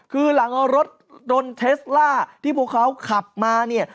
คือหลังรถยนต์เทสล่าที่พวกเขาขับมาเนี่ย